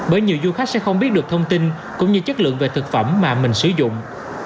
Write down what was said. bởi nhiều du khách sẽ không biết được thông tin cũng như chất lượng về thực phẩm mà mình sử dụng